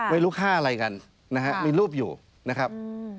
ไม่รู้ค่าอะไรกันนะฮะมีรูปอยู่นะครับ